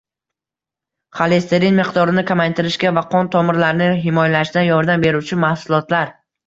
Xolesterin miqdorini kamaytirishga va qon tomirlarni himoyalashda yordam beruvchi mahsulotlar